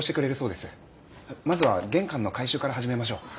まずは玄関の回収から始めましょう。